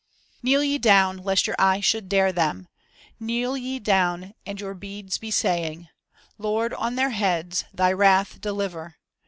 "Kneel ye down, lest your eyes should dare them. Kneel ye down and your beads be saying. "Lord, on their heads Thy wrath deliver.